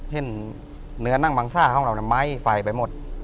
เห็นเนื้อนั่งบังซ่าของเราไหม้ไฟไปหมด